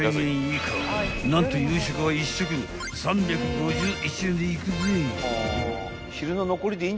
［何と夕食は１食３５１円でいくぜ］